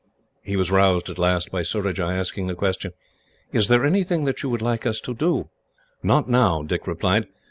He was roused, at last, by Surajah asking the question, "Is there anything that you would like us to do?" "Not now," Dick replied.